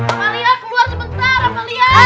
amalia keluar sebentar amalia